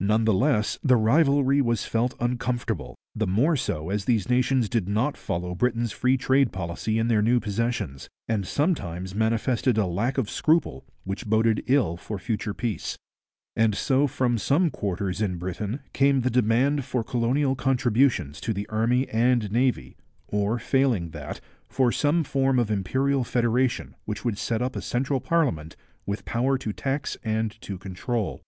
None the less the rivalry was felt uncomfortable, the more so as these nations did not follow Britain's free trade policy in their new possessions, and sometimes manifested a lack of scruple which boded ill for future peace. And so from some quarters in Britain came the demand for colonial contributions to the Army and Navy, or failing that, for some form of imperial federation which would set up a central parliament with power to tax and to control.